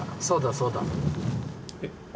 そうだそうだ。えっ？